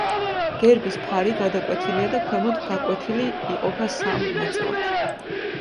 გერბის ფარი გადაკვეთილია და ქვემოთ გაკვეთილი, იყოფა სამ ნაწილად.